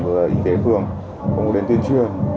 về y tế phường cũng có đến tuyên truyền